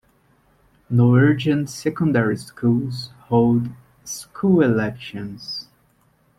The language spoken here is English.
Norwegian secondary schools hold "school elections".